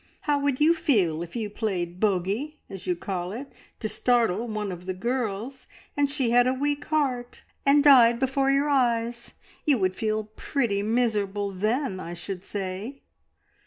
How would you feel if you played bogey, as you call it, to startle one of the girls, and she had a weak heart and died before your eyes? You would feel pretty miserable then, I should say."